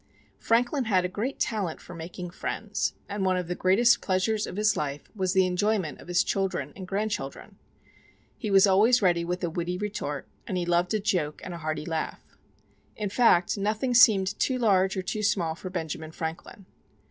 Franklin had a great talent for making friends; and one of the greatest pleasures of his life was the enjoyment of his children and grandchildren. He was always ready with a witty retort, and he loved a joke and a hearty laugh. In fact, nothing seemed too large or too small for Benjamin Franklin.